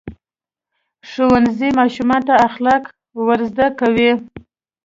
ښوونځی ماشومانو ته اخلاق ورزده کوي.